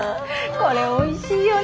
これおいしいよね。